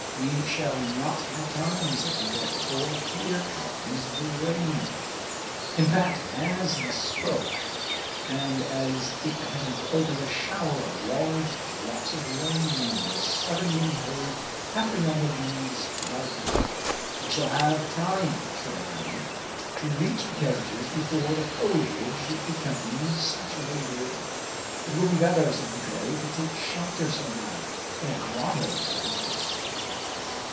"We shall not have time," said Fouquet, "for here comes the rain." In fact, as he spoke, and as if the heavens were opened, a shower of large drops of rain was suddenly heard pattering on the leaves about them. "We shall have time," said Aramis, "to reach the carriages before the foliage becomes saturated." "It will be better," said Fouquet, "to take shelter somewhere in a grotto, for instance."